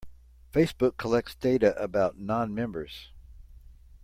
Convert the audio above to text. Facebook collects data about non-members.